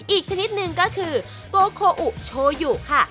อีกชนิดหนึ่งก็คือโกโคอุโชยุค่ะ